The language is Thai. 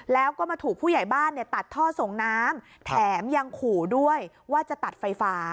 แล้วก็มาถูกผู้ใหญ่บ้านเนี่ยตัดท่อส่งน้ำแถมยังขู่ด้วยว่าจะตัดไฟฟ้า